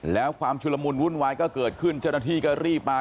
แล้วความชุลมุนวุ่นวายก็เกิดขึ้นเจ้าหน้าที่ก็รีบมา